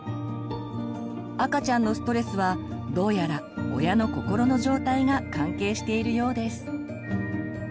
赤ちゃんのストレスはどうやら親の心の状態が関係しているようです。